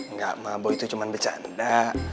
nggak mah boy itu cuma bercanda